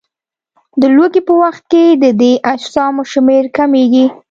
د لوږې په وخت کې د دې اجسامو شمېر کمیږي.